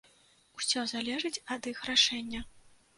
Усё залежыць ад іх рашэння.